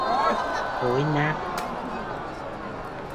thối nát